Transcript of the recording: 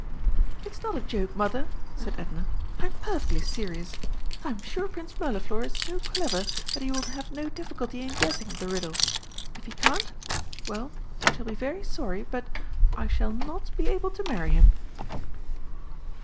"It's not a joke, Mother," said Edna; "I'm perfectly serious. I am sure Prince Mirliflor is so clever that he will have no difficulty in guessing the riddle. If he can't well, I shall be very sorry, but I shall not be able to marry him."